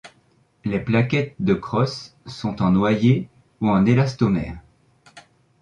Les plaquettes de crosse sont en noyer ou en élastomère.